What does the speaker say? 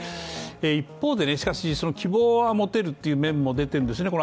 一方で、しかし希望は持てるという面も出てるんですね。